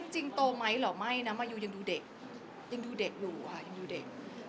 จริงโตไหมหรอไม่นะมายูยังดูเด็กยังดูเด็กอยู่ค่ะ